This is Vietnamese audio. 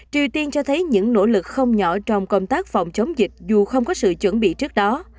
triều tiên cho thấy những nỗ lực không nhỏ trong công tác phòng chống dịch dù không có sự chuẩn bị trước đó